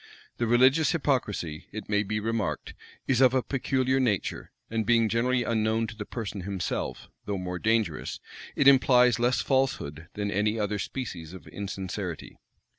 The religious hypocrisy, it may be remarked, is of a peculiar nature; and being generally unknown to the person himself, though more dangerous, it implies less falsehood than any other species of insincerity.